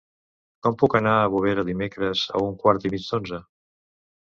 Com puc anar a Bovera dimecres a un quart i mig d'onze?